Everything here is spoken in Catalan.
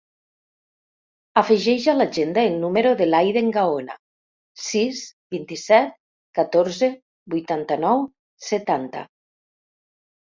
Afegeix a l'agenda el número de l'Aiden Gaona: sis, vint-i-set, catorze, vuitanta-nou, setanta.